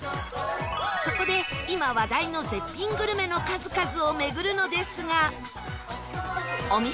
そこで今話題の絶品グルメの数々を巡るのですが